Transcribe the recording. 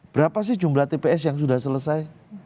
berapa sih jumlah tps yang sudah selesai